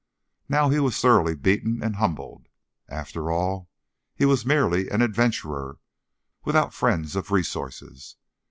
Now he was thoroughly beaten and humbled. After all, he was merely an adventurer, without friends of resources.